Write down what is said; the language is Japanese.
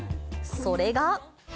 それが。